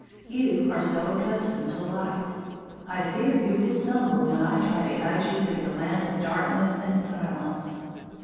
You are so accustomed to light, I fear you will stumble when I try to guide you through the land of darkness and silence.